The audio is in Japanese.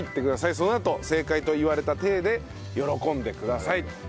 そのあと「正解」と言われた体で喜んでくださいという事ですね。